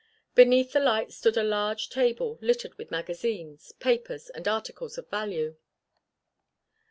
Beneath the light stood a large table littered with magazines, papers and articles of value.